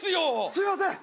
すいません！